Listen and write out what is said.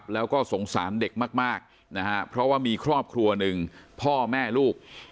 แล้วก็สงสารเด็กมากนะฮะเพราะว่ามีครอบครัวหนึ่งพ่อแม่ลูก